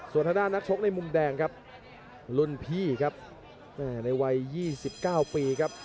ส่วนทางด้านนักชกในมุมแดงครับรุ่นพี่ครับในวัย๒๙ปีครับ